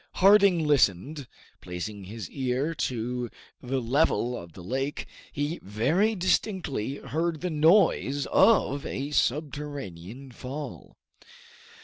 Harding listened; placing his ear to the level of the lake, he very distinctly heard the noise of a subterranean fall.